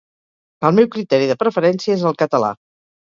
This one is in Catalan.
El meu criteri de preferència és el català.